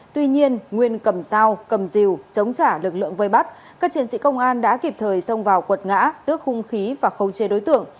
tuy nhiên nguyên cầm dao cầm dìu chống trả lực lượng vây bắt các chiến sĩ công an đã kịp thời xông vào quật ngã tước hung khí và khâu chế đối tượng